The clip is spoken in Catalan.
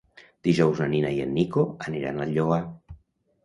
Dijous na Nina i en Nico aniran al Lloar.